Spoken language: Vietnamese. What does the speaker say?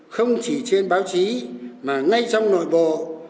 không chỉ trên báo chí mà ngay trong nội bộ